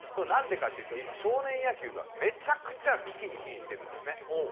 なんでかっていうと今少年野球がめちゃくちゃ危機に瀕しているんですね。